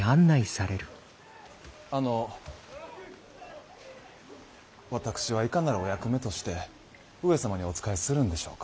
あの私はいかなるお役目として上様にお仕えするんでしょうか。